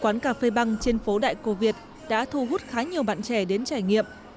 quán cà phê băng trên phố đại cô việt đã thu hút khá nhiều bạn trẻ đến trải nghiệm